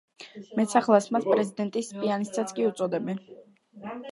მეტსახელად მას „პრეზიდენტების პიანისტსაც“ კი უწოდებდნენ.